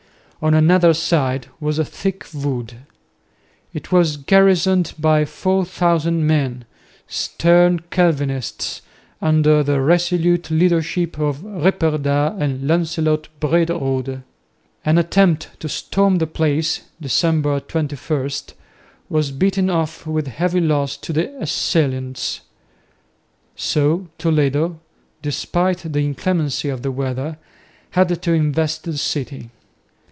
On another side was a thick wood. It was garrisoned by 4000 men, stern Calvinists, under the resolute leadership of Ripperda and Lancelot Brederode. An attempt to storm the place (December 21) was beaten off with heavy loss to the assailants; so Toledo, despite the inclemency of the weather, had to invest the city.